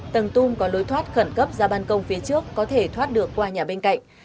tầng tung có lối thoát khẩn cấp ra bàn công phía trước có thể thoát được qua nhà bên cạnh